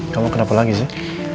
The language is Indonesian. kamu kenapa lagi sih